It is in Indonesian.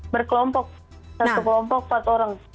berkelompok satu kelompok empat orang